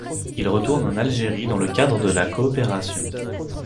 Il retourne en Algérie dans le cadre de la coopération.